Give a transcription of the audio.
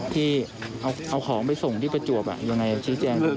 ที่เอาของไปส่งที่ประจวบยังไงชี้แจง